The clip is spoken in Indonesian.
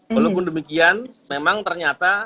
namun demikian memang ternyata